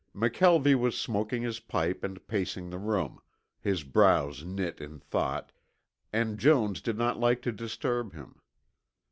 McKelvie was smoking his pipe and pacing the room, his brows knit in thought, and Jones did not like to disturb him.